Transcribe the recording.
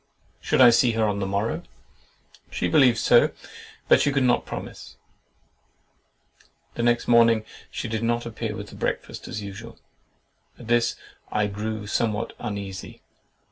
—"Should I see her on the morrow?"—"She believed so, but she could not promise." The next morning she did not appear with the breakfast as usual. At this I grew somewhat uneasy.